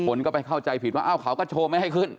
คนก็ไปเข้าใจผิดว่าเอ้าเขาก็โชว์ไม่ให้ขึ้น